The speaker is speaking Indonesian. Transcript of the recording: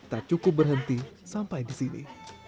tak cukup berhenti sampai di sini